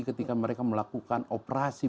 ketika mereka melakukan operasi